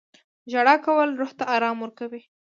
• ژړا کول روح ته ارام ورکوي.